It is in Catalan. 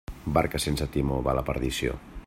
Barca sense timó va a la perdició.